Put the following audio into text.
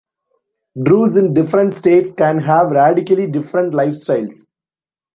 Druze in different states can have radically different lifestyles.